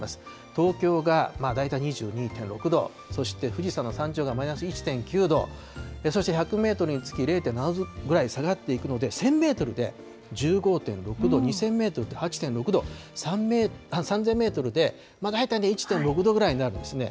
東京がだいたい２２．６度、そして富士山の山頂がマイナス１．９度、そして１００メートルにつき０．７度ぐらい下がっていくので、１０００メートルで１５．６度、２０００メートルで８．６度、３０００メートルでだいたい１．６度ぐらいになるんですね。